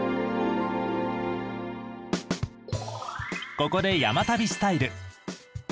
ここで「山旅スタイル」。